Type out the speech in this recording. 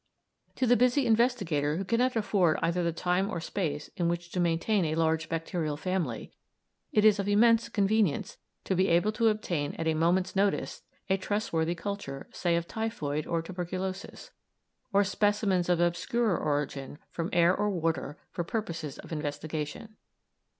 To the busy investigator who cannot afford either the time or space in which to maintain a large bacterial family, it is of immense convenience to be able to obtain at a moment's notice a trustworthy culture, say, of typhoid or tuberculosis, or specimens of obscurer origin from air or water for purposes of investigation.